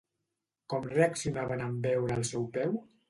Com reaccionaven en veure el seu peu?